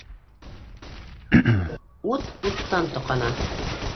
Ут уттан тоҡана...